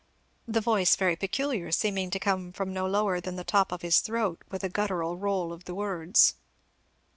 the voice very peculiar, seeming to come from no lower than the top of his throat, with a guttural roll of the words.